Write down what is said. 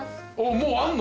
もうあんの？